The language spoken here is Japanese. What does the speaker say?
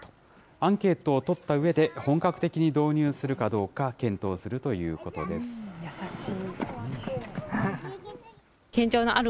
アンケートを取ったうえで、本格的に導入するかどうか検討すると優しい。